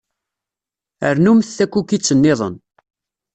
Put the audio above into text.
Rnumt takukit-nniḍen.